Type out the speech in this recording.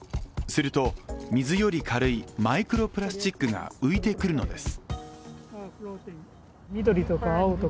すると、水より軽いマイクロプラスチックが浮いてくるのです。